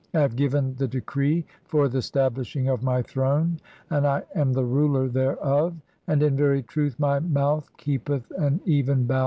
I have given the decree "[for the stablishing of] my throne and I am the ruler thereof ; "and in very truth, my mouth keepeth an even balance both in I.